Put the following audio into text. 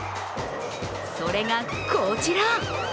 それが、こちら。